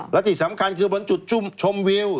และที่สำคัญคือบนจุดชุ่มชมวิว